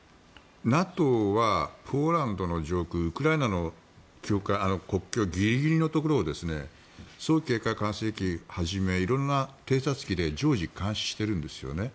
ＮＡＴＯはポーランドの上空ウクライナの国境ギリギリのところを早期警戒管制機をはじめ色んな偵察機で常時監視しているんですね。